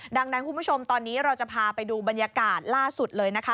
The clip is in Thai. ดังนั้นคุณผู้ชมตอนนี้เราจะพาไปดูบรรยากาศล่าสุดเลยนะคะ